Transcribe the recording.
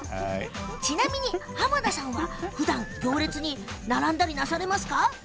ちなみに濱田さんはふだん行列に並んだりなされますか？